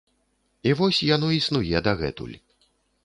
І вось яно існуе дагэтуль.